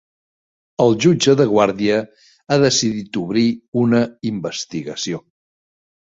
El jutge de guàrdia ha decidit obrir una investigació.